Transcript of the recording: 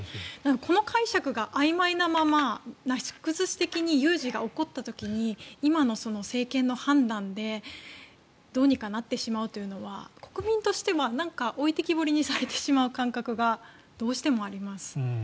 この解釈があいまいなままなし崩し的に有事が起こった時に今の政権の判断でどうにかなってしまうというのは国民としては置いてけぼりにされてしまう感覚がどうしてもあります。